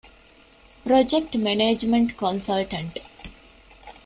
ޕްރޮޖެކްޓް މެނޭޖްމަންޓް ކޮންސަލްޓަންޓް